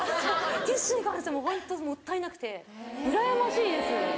ティッシュに関してはもうホントもったいなくてうらやましいです。